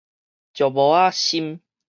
石磨仔心